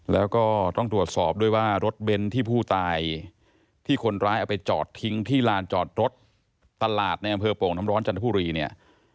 แล้วก็ต้องตรวจสอบด้วยว่ารถเบนท์ที่ผู้ตายที่คนร้ายเอาไปจอดทิ้งที่ลานจอดรถตลาดในอำเภอโป่งน้ำร้อนจันทบุรีเนี่ย